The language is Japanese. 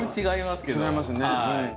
違いますね。